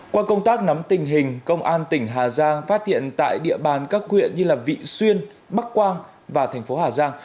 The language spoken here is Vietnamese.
qua công tác nắm tình hình công an tỉnh hà giang phát hiện tại địa bàn các huyện như vị xuyên bắc quang và thành phố hà giang